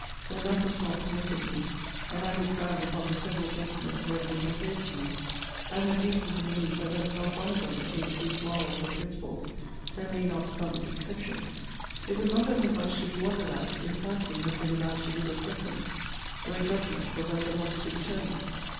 When that was not permitted me, and I looked round upon the several gentlemen who had been proposed to me, and had reason to believe that there was not one of them against whose morals or principles there lay not some exception, it would not have been much to be wondered at, if FANCY had been allowed to give a preference, where JUDGMENT was at a loss to determine.